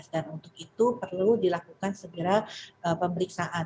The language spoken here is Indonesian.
dan untuk itu perlu dilakukan segera pemeriksaan